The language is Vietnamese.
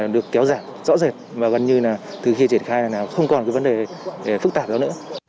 được kéo giảm rõ rệt và gần như là từ khi triển khai là không còn cái vấn đề phức tạp đó nữa